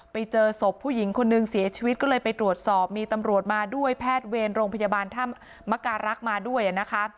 ไปเจอศพผู้หญิงคนนึงเสียชีวิตก็เลยไปตรวจสอบมีตำรวจมาด้วยแพทย์เวรโรงพยาบาลธรรมมการรักษ์มาด้วยนะคะ